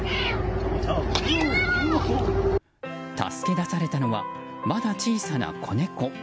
助け出されたのはまだ小さな子猫。